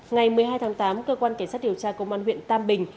ngày một mươi hai tháng tám cơ quan cảnh sát điều tra công an huyện tam bình